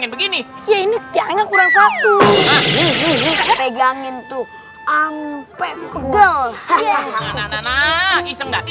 gimana gimana gimana udah jadi ini